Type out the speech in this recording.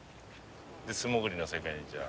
素潜りの世界にじゃあ。